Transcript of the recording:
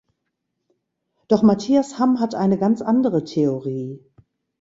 Doch Matthias Hamm hat eine ganz andere Theorie.